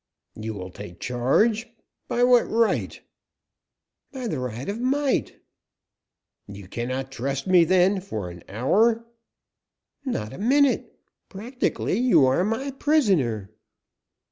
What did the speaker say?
"You will take charge? By what right?" "By the right of might." "You cannot trust me, then, an hour?" "Not a minute. Practically, you are my prisoner."